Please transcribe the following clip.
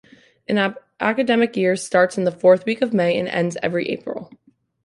An academic year starts in the fourth week of May and ends every April.